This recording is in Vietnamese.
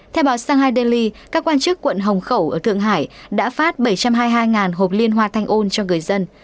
theo báo shanghai daily các quan chức quận hồng khẩu ở thượng hải đã phát bảy trăm hai mươi hai hộp liên hoa thanh ôn cho người dân